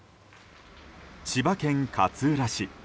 千葉県勝浦市。